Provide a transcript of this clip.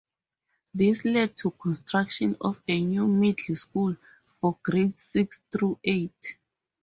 This led to construction of a new middle school for grades six through eight.